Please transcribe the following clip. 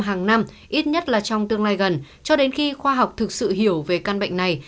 hàng năm ít nhất là trong tương lai gần cho đến khi khoa học thực sự hiểu về căn bệnh này